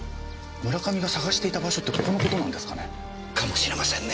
村上が捜していた場所ってここのことなんですかね？かもしれませんね。